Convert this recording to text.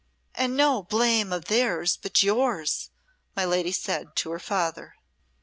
"And no blame of theirs, but yours," said my lady to her father.